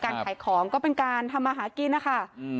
เเล้าการขายของก็เป็นการทำมหากินนะคะเอ่อ